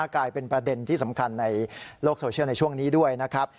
กลายเป็นประเด็นที่สำคัญในโลกโซเชียลในช่วงนี้ด้วยนะครับ